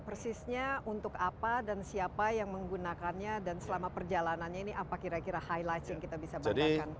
persisnya untuk apa dan siapa yang menggunakannya dan selama perjalanannya ini apa kira kira highlight yang kita bisa banggakan